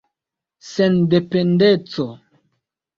sendependeco